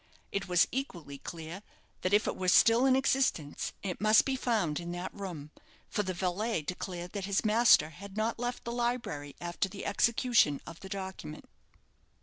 It was equally clear that if it were still in existence, it must be found in that room, for the valet declared that his master had not left the library after the execution of the document.